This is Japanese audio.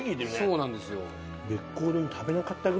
そうなんですよ。